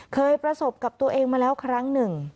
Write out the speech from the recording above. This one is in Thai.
เคยประสบกับตัวเองมาแล้วครั้งหนึ่ง